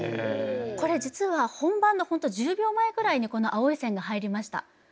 これ実は本番の本当１０秒前ぐらいにこの青い線が入りました。